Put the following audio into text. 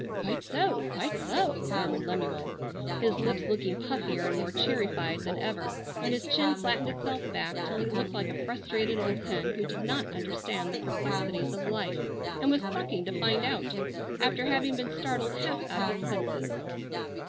"Quite so, quite so!" murmured Lemuel, his lips looking puffier and more cherry fied than ever and his chin flattened itself back till he looked like a frustrated old hen who did not understand the perplexities of life and was clucking to find out, after having been startled half out of its senses.